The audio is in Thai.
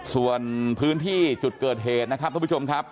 ส่วนพื้นที่จุดเกิดเหตุนะครับท่านผู้ชมครับ